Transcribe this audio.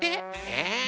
え？